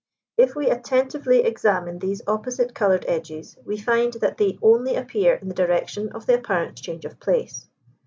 If we attentively examine these opposite coloured edges, we find that they only appear in the direction of the apparent change of place.